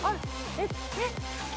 えっえっ？